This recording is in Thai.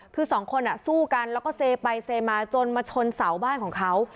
คือสองคนสู้กันแล้วก็เซไปเซมาจนมาชนเสาบ้านของเขา